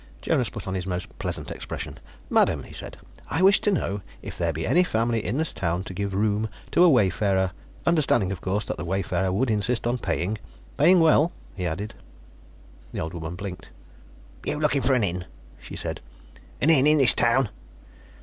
Jonas put on his most pleasant expression. "Madam," he said, "I wish to know if there be any family in this town to give room to a wayfarer understanding, of course, that the wayfarer would insist on paying. Paying well," he added. The old woman blinked. "You looking for an inn?" she said. "An inn in this town?"